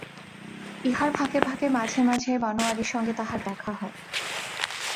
ইহার ফাঁকে ফাঁকে মাঝে মাঝে বনোয়ারির সঙ্গে তাহার দেখা হয়।